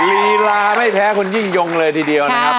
ลีลาไม่แพ้คุณยิ่งยงเลยทีเดียวนะครับ